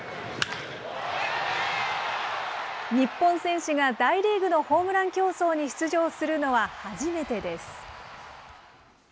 日本選手が大リーグのホームラン競争に出場するのは初めてです。